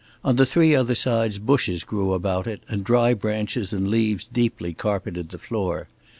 On the three other sides bushes grew about it and dry branches and leaves deeply carpeted the floor.